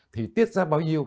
thì tiết ra bao nhiêu